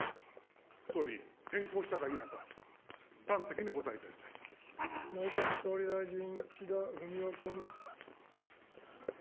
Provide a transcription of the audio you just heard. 総理、変更したか否か、端的にお内閣総理大臣、岸田文雄君。